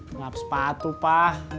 ngelap sepatu pa